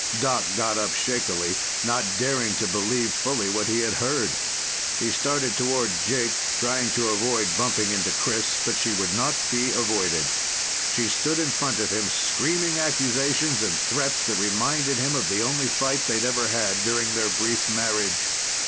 Doc got up shakily, not daring to believe fully what he had heard. He started toward Jake, trying to avoid bumping into Chris. But she would not be avoided. She stood in front of him, screaming accusations and threats that reminded him of the only fight they'd ever had during their brief marriage.